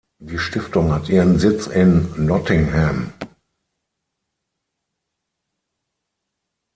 Die Stiftung hat ihren Sitz in Nottingham.